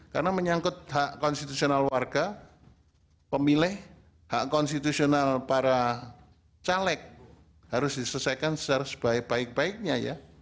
karena menyangkut hak konstitusional warga pemilih hak konstitusional para caleg harus diselesaikan secara sebaik baiknya ya